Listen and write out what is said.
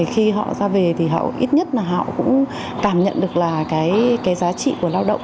khi họ ra về thì ít nhất họ cũng cảm nhận được giá trị của lao động